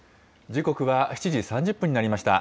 時刻は７時３０分になりました。